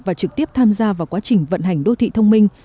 và trực tiếp tham gia vào quá trình vận hành đô thị thông minh